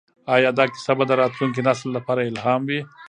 ایا دا کیسه به د راتلونکي نسل لپاره الهام وي؟